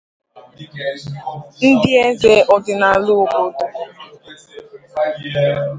ndị eze ọdịnala obodo